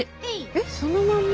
えっそのまんま？